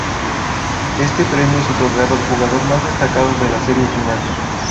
Este premio es otorgado al jugador más destacado de la serie final.